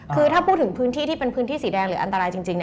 คือถ้าพูดถึงพื้นที่ที่เป็นพื้นที่สีแดงหรืออันตรายจริง